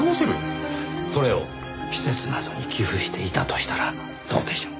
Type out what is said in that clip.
それを施設などに寄付していたとしたらどうでしょう？